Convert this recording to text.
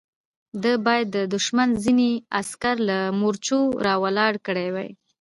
ده بايد د دښمن ځينې عسکر له مورچو را ولاړ کړي وای.